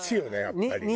やっぱりね。